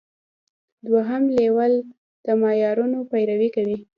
دوهم لیول د معیارونو پیروي کوي.